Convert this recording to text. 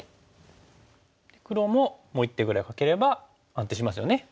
黒ももう一手ぐらいかければ安定しますよね。